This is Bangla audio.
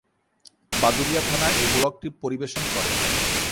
বাদুড়িয়া থানা এই ব্লকটি পরিবেশন করে।